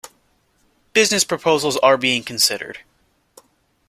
Business proposals are being considered.